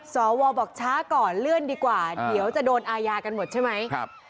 สวบอกช้าก่อนเลื่อนดีกว่าเดี๋ยวจะโดนอาญากันหมดใช่ไหม